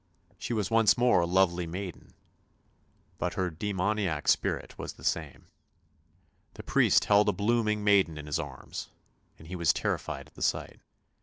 She was once more a lovely maiden, but her demoniac spirit was the same. The priest held a blooming maiden in his arms, and he was terrified at the sight.